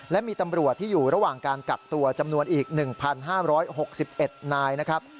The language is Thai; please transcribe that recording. และมีตำรวจที่อยู่ระหว่างการกักตัวจำนวนอีก๑๕๖๑นายนะครับ